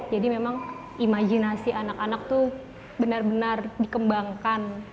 jadi memang imajinasi anak anak tuh benar benar dikembangkan